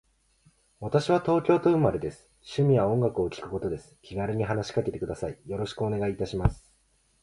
私は東京都生まれです。趣味は音楽を聴くことです。気軽に話しかけてください。よろしくお願いいたします。